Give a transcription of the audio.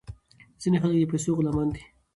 ځینې خلک د پیسو غلامان دي.